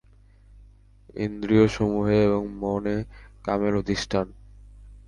ইন্দ্রিয়সমূহে এবং মনে কামের অধিষ্ঠান।